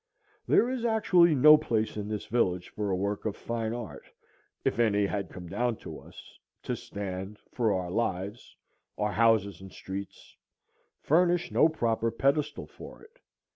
There is actually no place in this village for a work of fine art, if any had come down to us, to stand, for our lives, our houses and streets, furnish no proper pedestal for it.